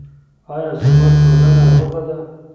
آیا زموږ ټولنه روغه ده؟